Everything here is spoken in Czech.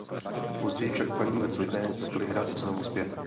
Později však páni z Lipé získali hrad znovu zpět.